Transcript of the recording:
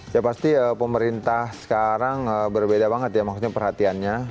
ya pasti pemerintah sekarang berbeda banget ya maksudnya perhatiannya